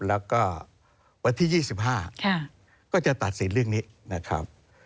แล้วก็วันที่๒๕ก็จะตัดสินเรื่องนี้นะครับ